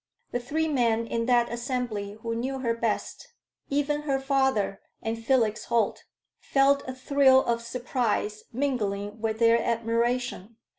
The three men in that assembly who knew her best even her father and Felix Holt felt a thrill of surprise mingling with their admiration.